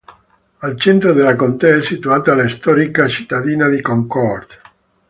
Al centro della contea è situata la storica cittadina di Concord.